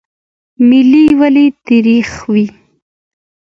ملی ولې تریخ وي؟